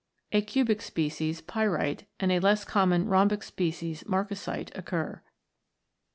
A cubic species, Pyrite, and a less common rhombic species, Marcasite, occur.